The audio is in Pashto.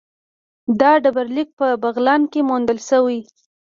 دا ډبرلیک په بغلان کې موندل شوی